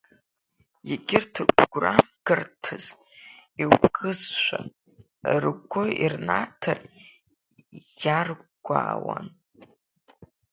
Егьырҭ гәрамгарҭас иукызшәа ргәы ирнаҭар иаргәаауан.